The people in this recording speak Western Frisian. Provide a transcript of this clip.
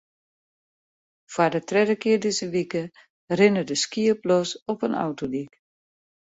Foar de tredde kear dizze wike rinne der skiep los op in autodyk.